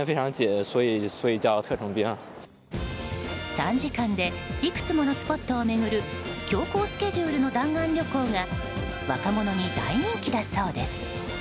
短時間でいくつものスポットを巡る強行スケジュールの弾丸旅行が若者に大人気だそうです。